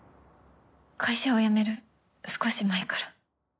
会社を辞める少し前から。